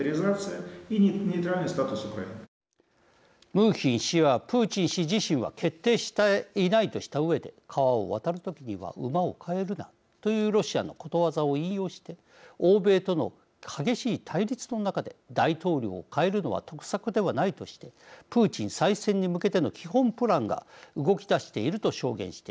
ムーヒン氏はプーチン氏自身は決定していないとした上で「川を渡るときには馬を替えるな」というロシアのことわざを引用して欧米との激しい対立の中で大統領を替えるのは得策ではないとしてプーチン再選に向けての基本プランが動き出していると証言しています。